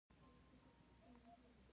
ډیر وخت تیر شو.